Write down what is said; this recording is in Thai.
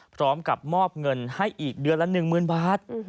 พร้อมกับมอบเงินให้อีกเดือนละ๑๐๐๐บาท